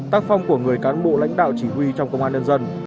tác phong của người cán bộ lãnh đạo chỉ huy trong công an nhân dân